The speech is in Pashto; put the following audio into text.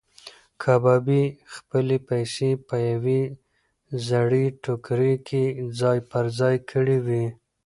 کبابي خپلې پیسې په یوې زړې ټوکرۍ کې ځای پر ځای کړې وې.